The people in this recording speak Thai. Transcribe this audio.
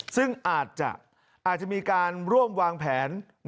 ซึ่งอาจจะมีการร่วมวางแผน